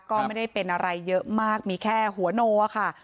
ก็ไม่ได้เป็นอะไรเยอะมากมีแค่หัวโนค่ะ